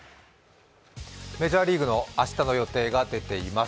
メジャーリーグの明日の予定が出ています。